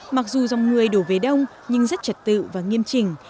mặc dù dòng người đổ về đông nhưng rất trật tự và nghiêm trình